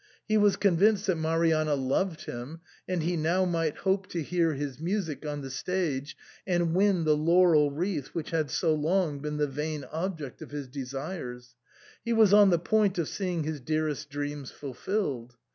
He was convinced that Marianna loved him ; and he now might hope to hear his music on the stage, and win the laurel wreath which had so long been the vain object of his desires ; he was on the point of seeing his dearest dreams fulfilled.